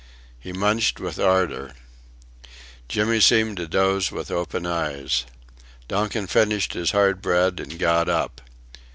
He munched with ardour. Jimmy seemed to doze with open eyes. Donkin finished his hard bread and got up.